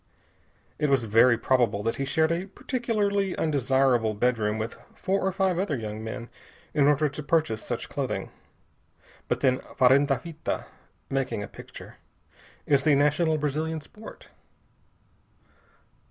It was very probable that he shared a particularly undesirable bedroom with four or five other young men in order to purchase such clothing, but then, farenda fita making a picture is the national Brazilian sport.